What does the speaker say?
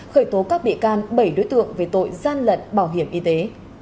khởi tố các bị can bảy đối tượng về tội gian lận bảo hiểm y tế